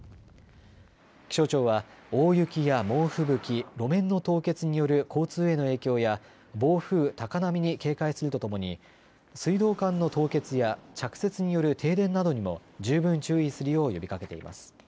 気象庁は大雪や猛吹雪、路面の凍結による交通への影響や暴風、高波に警戒するとともに水道管の凍結や着雪による停電などにも十分注意するよう呼びかけています。